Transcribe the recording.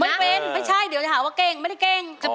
ไม่เป็นไม่ใช่เดี๋ยวจะหาว่าเก่งไม่ได้เก่ง